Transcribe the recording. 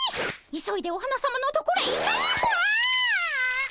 急いでお花さまのところへ行かねばああ。